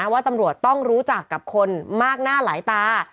ว่าตำรวจต้องรู้จักกับคนมากหน้าหลายตา